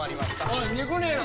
おい肉ねえの？